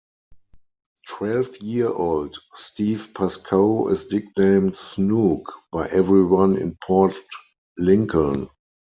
Twelve-year-old Steve Pascoe is nicknamed 'Snook' by everyone in Port Lincoln.